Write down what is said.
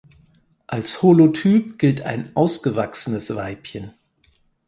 Als Holotyp gilt ein ausgewachsenes Weibchen.